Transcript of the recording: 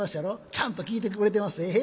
ちゃんと聴いてくれてまっせ」。